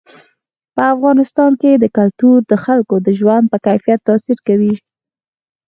په افغانستان کې کلتور د خلکو د ژوند په کیفیت تاثیر کوي.